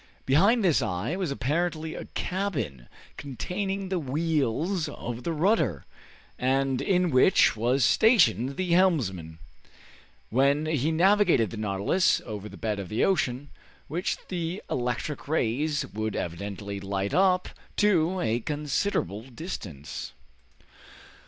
Behind this eye was apparently a cabin containing the wheels of the rudder, and in which was stationed the helmsman, when he navigated the "Nautilus" over the bed of the ocean, which the electric rays would evidently light up to a considerable distance.